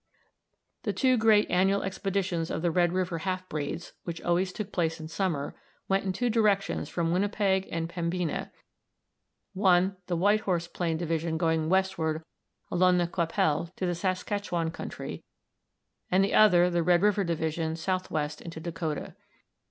The two great annual expeditions of the Red River half breeds, which always took place in summer, went in two directions from Winnipeg and Pembina one, the White Horse Plain division, going westward along the Qu'Appelle to the Saskatchewan country, and the other, the Red River division, southwest into Dakota.